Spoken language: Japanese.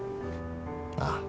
ああ。